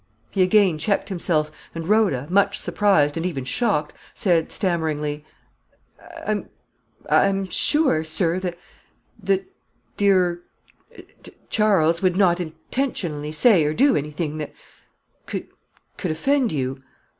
He again checked himself, and Rhoda, much surprised, and even shocked, said, stammeringly "I am sure, sir, that dear Charles would not intentionally say or do anything that could offend you."